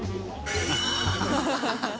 ハハハハ。